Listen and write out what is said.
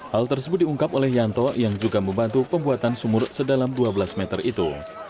hal tersebut diungkap oleh yanto yang juga membantu pembuatan sumur sedalam dua belas meter itu